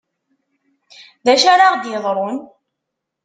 D acu ara ɣ-d-iḍrun?